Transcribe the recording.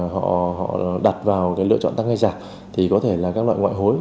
họ đặt vào cái lựa chọn tăng hay giả thì có thể là các loại ngoại hối